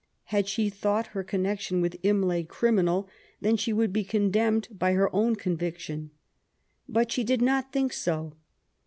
Had she thought her connection with Imlay criminal^ then she would be condemned by her own conviction. But she did not think so.